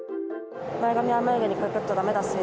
前髪は眉毛にかかっちゃだめだし。